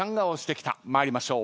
参りましょう。